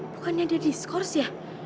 bukannya dia diskurs ya